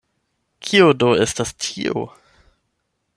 Kio do estas tio?